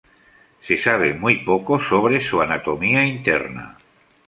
Se sabe muy poco sobre su anatomía interna.